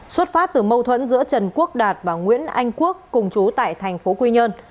xuất phát từ mâu thuẫn giữa trần quốc đạt và nguyễn anh quốc cùng chú tại thành phố quy nhơn